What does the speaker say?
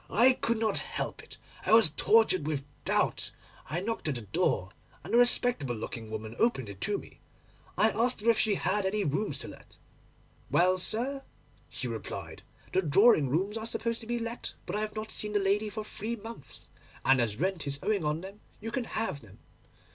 I could not help it; I was tortured with doubt. I knocked at the door, and a respectable looking woman opened it to me. I asked her if she had any rooms to let. "Well, sir," she replied, "the drawing rooms are supposed to be let; but I have not seen the lady for three months, and as rent is owing on them, you can have them."